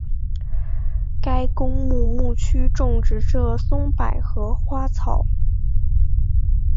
该公墓墓区种植着松柏和花草。